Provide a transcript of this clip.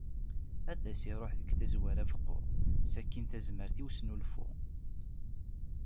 Ad as-iruḥ deg tazwara beqqu, sakkin tazmert i usnulfu.